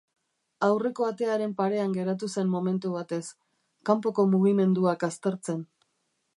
Aurreko atearen parean geratu zen momentu batez, kanpoko mugimenduak aztertzen.